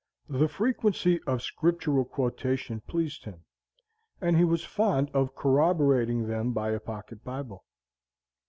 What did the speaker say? The frequency of Scriptural quotation pleased him, and he was fond of corroborating them by a pocket Bible.